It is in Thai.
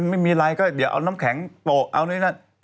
ไม่มีไรเอาน้ำแข็งตก